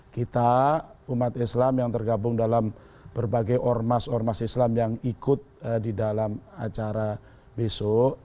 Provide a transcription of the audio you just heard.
kita umat islam yang tergabung dalam berbagai ormas ormas islam yang ikut di dalam acara besok